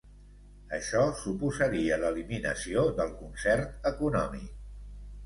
Això suposaria l’eliminació del concert econòmic.